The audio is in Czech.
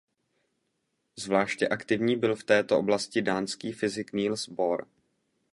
Zvláště aktivní byl v této oblasti dánský fyzik Niels Bohr.